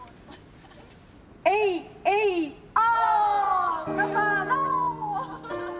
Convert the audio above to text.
えいえいお！